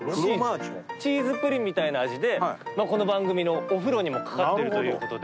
チーズプリンみたいな味でこの番組の「お風呂」にもかかってるということで。